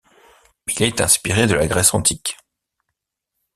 Il est inspiré de la Grèce antique.